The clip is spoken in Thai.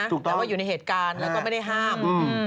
แต่ว่าอยู่ในเหตุการณ์แล้วก็ไม่ได้ห้าม